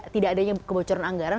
tidak adanya kebocoran anggaran